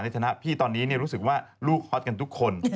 ชนะพี่ตอนนี้รู้สึกว่าลูกฮอตกันทุกคน